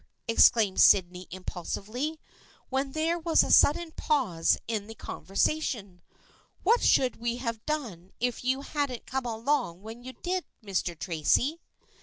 exclaimed Sydney impulsively, when there was a sudden pause in the conversation. " What should we have done if you hadn't come along when you did, Mr. Tracy